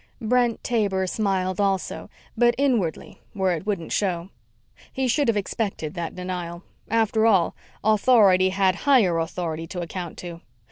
Brent Taber smiled also, but inwardly, where it wouldn't show. He should have expected that denial. After all, Authority had Higher Authority to account to.